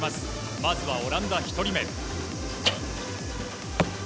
まずはオランダ、１人目。